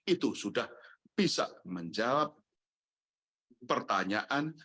itu sudah bisa menjawab pertanyaan